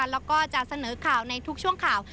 แล้วก็จะเสนอข่าวในทุกช่วงข่าว